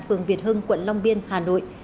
phường việt hưng quận long biên hà nội